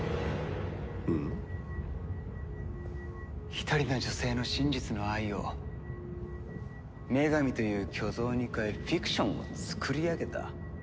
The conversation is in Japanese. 一人の女性の真実の愛を女神という虚像に変えフィクションをつくり上げた。